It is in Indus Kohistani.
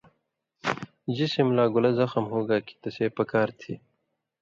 جسم لا گولہ زخم ہُوگا کھیں تسے پکار تھی